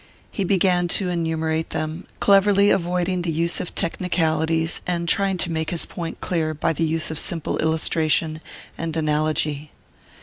He began to enumerate them, cleverly avoiding the use of technicalities and trying to make his point clear by the use of simple illustration and analogy.